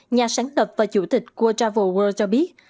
nhà sáng tập và chủ tịch của travel world cho biết